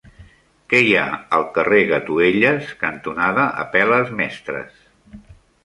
Què hi ha al carrer Gatuelles cantonada Apel·les Mestres?